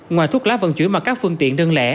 ngoài thuốc lá vận chuyển mà các phương tiện đơn lẻ